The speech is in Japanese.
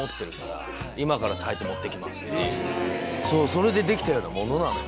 それでできたようなものなのよ。